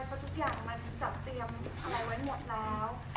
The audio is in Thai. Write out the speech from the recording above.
เพราะทุกอย่างมันจัดเตรียมอะไรไว้หมดแล้ว